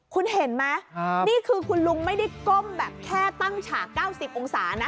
คุณเห็นไหมนี่คือคุณลุงไม่ได้ก้มแบบแค่ตั้งฉาก๙๐องศานะ